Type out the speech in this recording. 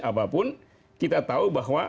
apapun kita tahu bahwa